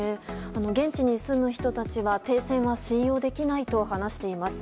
現地に住む人たちは停戦は信用できないと話しています。